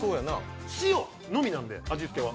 塩のみなんで、味つけは。